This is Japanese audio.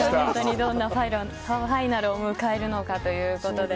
どんなファイナルを迎えるのかということで。